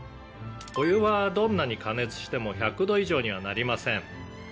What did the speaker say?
「お湯はどんなに加熱しても１００度以上にはなりません」